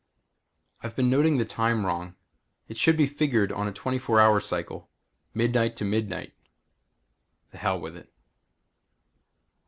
I've been noting the time wrong. It should be figured on a twenty four hour cycle. Midnight to midnight, the hell with it.